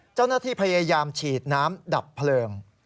เจ้าหน้าที่พยายามฉีดน้ำดับเพลิง